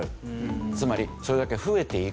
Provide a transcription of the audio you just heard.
つまりそれだけ増えていく。